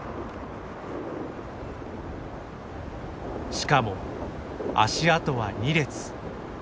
しかも足跡は２列。